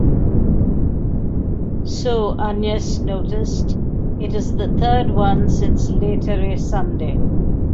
So, Agnès noticed, it is the third one since Lætare Sunday.